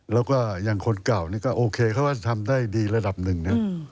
แล้วก็อย่างคนเก่านี่ก็โอเคเขาก็ทำได้ดีระดับหนึ่งนะ